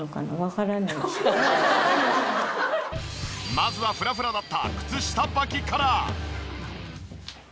まずはフラフラだった靴下ばきから。